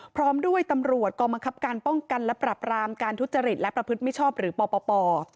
พร้อมด้วยตำรวจกองบังคับการป้องกันและปรับรามการทุจริตและประพฤติมิชชอบหรือปป